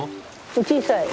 小さい。